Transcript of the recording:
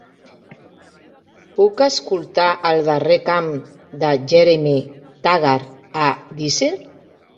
Puc escoltar el darrer cant de Jeremy Taggart a Deezer?